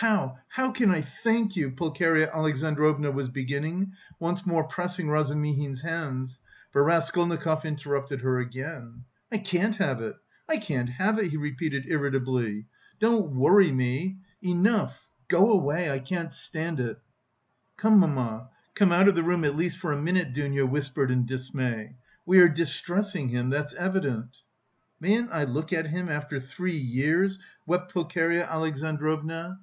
"How, how can I thank you!" Pulcheria Alexandrovna was beginning, once more pressing Razumihin's hands, but Raskolnikov interrupted her again. "I can't have it! I can't have it!" he repeated irritably, "don't worry me! Enough, go away... I can't stand it!" "Come, mamma, come out of the room at least for a minute," Dounia whispered in dismay; "we are distressing him, that's evident." "Mayn't I look at him after three years?" wept Pulcheria Alexandrovna.